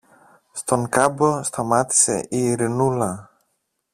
Στον κάμπο σταμάτησε η Ειρηνούλα.